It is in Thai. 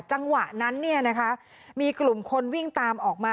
จังหวะนั้นมีกลุ่มคนวิ่งตามออกมา